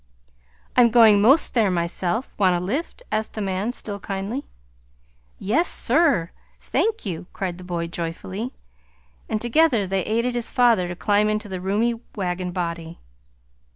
"I'm going 'most there myself. Want a lift?" asked the man, still kindly. "Yes, sir. Thank you!" cried the boy joyfully. And together they aided his father to climb into the roomy wagon body.